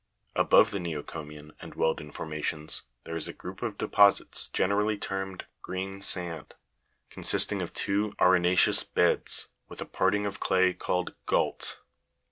10. Above the neocomian and wealden formations there is a group of deposits generally termed Green Sand, consisting of two arena'ceous beds, with a parting of clay called gaidt.